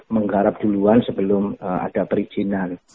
menggarap duluan sebelum ada perizinan